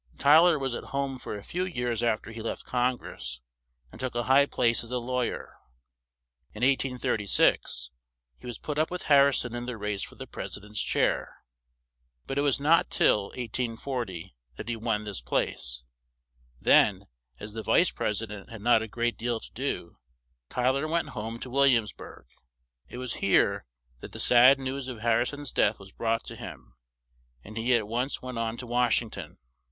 Ty ler was at home for a few years af ter he left Con gress, and took a high place as a law yer. In 1836 he was put up with Har ri son in the race for the pres i dent's chair. But it was not till 1840 that he won this place; then, as the vice pres i dent had not a great deal to do, Ty ler went home to Wil liams burg. It was here that the sad news of Har ri son's death was brought to him, and he at once went on to Wash ing ton.